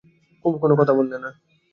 কুমু কোনো কথা বললে না।